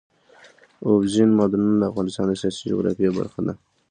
اوبزین معدنونه د افغانستان د سیاسي جغرافیه برخه ده.